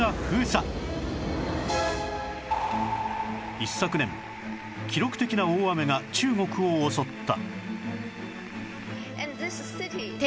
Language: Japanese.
一昨年記録的な大雨が中国を襲った